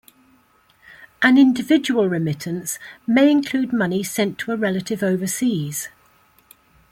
An individual remittance may include money sent to a relative overseas.